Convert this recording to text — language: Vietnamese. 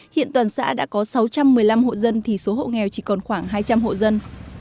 hiện toàn xã đã có sáu trăm một mươi năm hộ dân thì số hộ nghèo chỉ còn khoảng hai trăm linh hộ dân